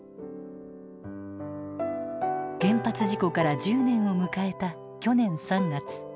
原発事故から１０年を迎えた去年３月。